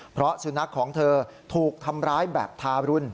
เพราะสุนัขของเธอถูกทำร้ายแบบทารุณ